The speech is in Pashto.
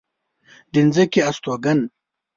د ځمکې استوگن